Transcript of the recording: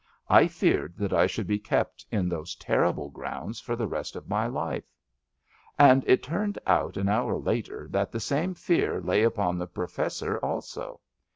I feared that I should be kept in those terrible grounds for the rest of my life. And it turned out an hour later that the same fear lay upon the Professor also.